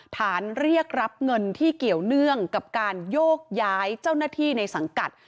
ฐานเรียกรับเงินที่เกี่ยวเนื่องกับการโยกย้ายเจ้าหน้าที่ในสังกัด